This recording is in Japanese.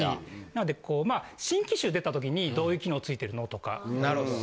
なので、新機種出たときに、どういう機能付いてるの？とか。